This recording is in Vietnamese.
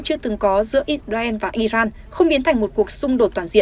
chưa từng có giữa israel và iran không biến thành một cuộc sống